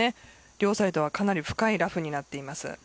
両サイドはかなり深いラフになっています。